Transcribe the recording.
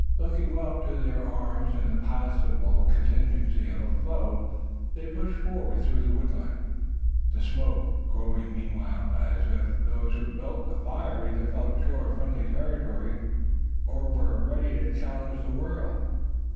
Looking well to their arms in the possible contingency of a foe, they pushed forward through the woodland, the smoke growing meanwhile as if those who had built the fire either felt sure of friendly territory, or were ready to challenge the world.